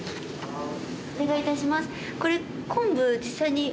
お願いいたします。